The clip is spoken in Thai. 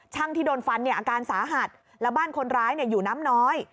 ที่โดนฟันเนี่ยอาการสาหัสแล้วบ้านคนร้ายอยู่น้ำน้อย